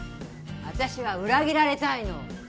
私は裏切られたいの